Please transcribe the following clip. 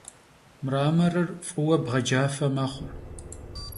Mramorır f'ıue bğecafe mexhu.